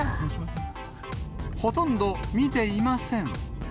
ほとんど見ていません。